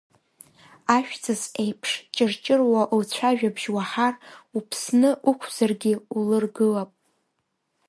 Ажәҵыс еиԥш, дҷырҷыруа лцәажәабжь уаҳар, уԥсны уқәзаргьы улыргылап.